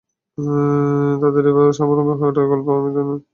তাদের এভাবে স্বাবলম্বী হয়ে ওঠার গল্প আমি অন্য এলাকার মানুষদের শোনাই।